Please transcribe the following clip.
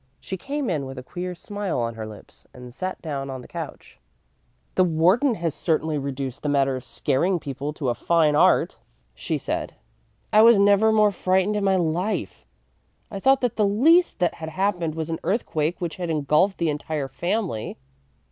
She came in with a queer smile on her lips, and sat down on the couch. "The warden has certainly reduced the matter of scaring people to a fine art," she said. "I was never more frightened in my life. I thought that the least that had happened was an earthquake which had engulfed the entire family."